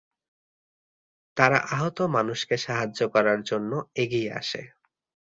তারা আহত মানুষকে সাহায্য করার জন্য এগিয়ে আসে।